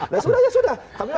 nah sudah ya sudah